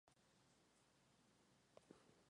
El edificio descarga en contrafuertes.